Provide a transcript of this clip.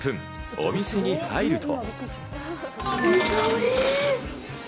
お店に入ると。